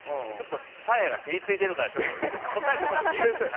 サーヤがピリついてるから答えてもらっていい？